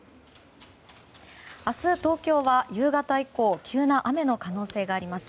明日、東京は夕方以降急な雨の可能性があります。